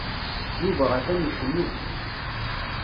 Yuba atan icennu.